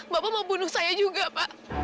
bapak mau bunuh saya juga pak